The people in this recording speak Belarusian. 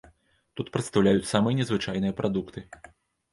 Тут прадстаўляюць самыя незвычайныя прадукты.